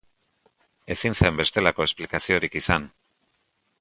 Ezin zen bestelako esplikaziorik izan.